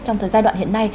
trong giai đoạn hiện nay